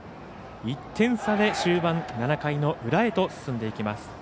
１点差で終盤７回の裏へと進んでいきます。